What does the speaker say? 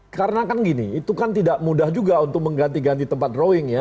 karena kan gini itu kan tidak mudah juga untuk mengganti ganti tempat drawing ya